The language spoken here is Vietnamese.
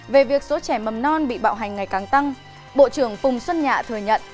về việc số trẻ mầm non bị bạo hành ngày càng tăng bộ trưởng phùng xuân nhạ thừa nhận